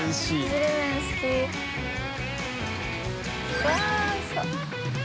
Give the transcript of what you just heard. うわっおいしそう。